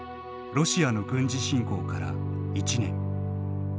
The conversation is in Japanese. ロシアの軍事侵攻から一年。